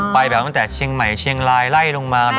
ไปแบบตั้งแต่เชียงใหม่เชียงรายไล่ลงมา